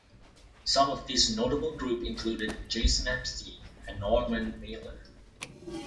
Some of this "notable group" included Jason Epstein and Norman Mailer.